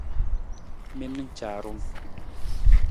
Mi na caarung!